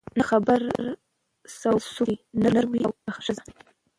نه خبر سول څوک چي نر وې او که ښځه